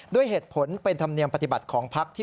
ด้วยเหตุผลเป็นธรรมเนียมปฏิบัติของพักที่